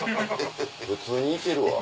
普通に行けるわ。